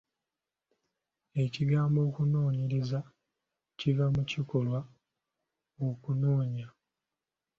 Ekigambo okunoonyereza kiva mu kikolwa okunoonya.